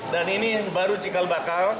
dan ini baru cikal bakal